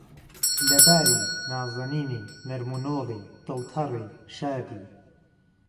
لەباری، نازەنینی، نەرم و نۆڵی، دڵتەڕی، شادی